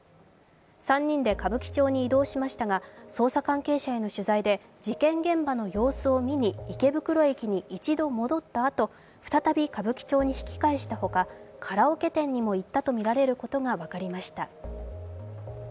３人で歌舞伎町に移動しましたが捜査関係者への取材で事件現場の様子を見に池袋駅に一度、戻ったあと再び歌舞伎町に引き返したほか、カラオケ店にも行ったとみられることが分かりました。